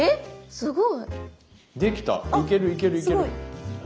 すごい！